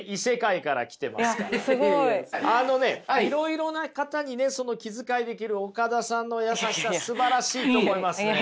あのねいろいろな方にねその気遣いできる岡田さんの優しさすばらしいと思いますね。